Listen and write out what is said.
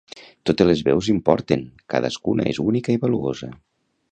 Totes les veus importen, cadascuna és única i valuosa.